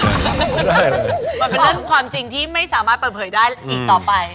มันเป็นเรื่องความจริงที่ไม่สามารถเปิดเผยได้อีกต่อไป